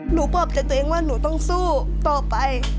หนูบอกจากตัวเองว่าหนูต้องสู้ต่อไป